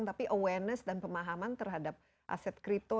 tapi awareness dan pemahaman terhadap aset kripto